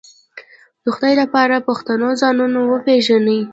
د خدای د پاره پښتنو ځانونه وپېژنئ